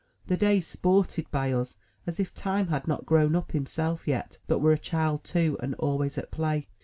The days sported by us, as if Time had not grown up himself yet, but were a child too, and always at play.